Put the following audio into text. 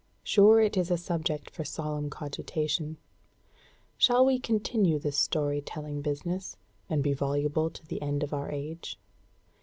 Sure it is a subject for solemn cogitation. Shall we continue this story telling business, and be voluble to the end of our age?"